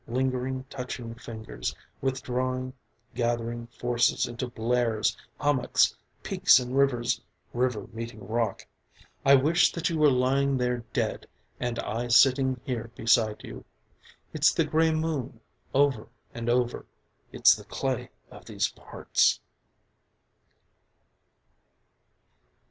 lingering, touching fingers, withdrawing gathering forces into blares, hummocks, peaks and rivers river meeting rock I wish that you were lying there dead and I sitting here beside you. It's the grey moon over and over. It's the clay of these parts.